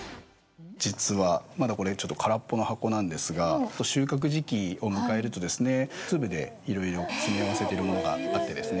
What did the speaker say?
実は、まだこれ空っぽの箱なんですが収穫時期を迎えると粒でいろいろ詰め合わせてるものがあってですね。